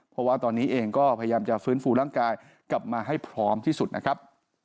เพราะว่าตอนนี้เองก็พยายามจะฟื้นฟูร่างกายกลับมาให้พร้อมที่สุดนะครับ